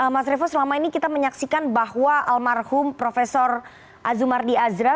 mas revo selama ini kita menyaksikan bahwa almarhum prof azumardi azra